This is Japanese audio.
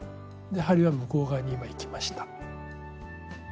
針は向こう側に今いきました。